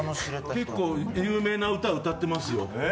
結構有名な歌歌ってますよ。